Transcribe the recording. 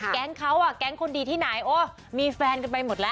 แก๊งเขาอ่ะแก๊งคนดีที่ไหนโอ้มีแฟนกันไปหมดแล้ว